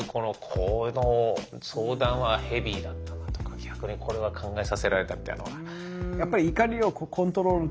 この相談はヘビーだったなとか逆にこれは考えさせられたみたいのは。